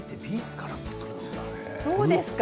どうですか？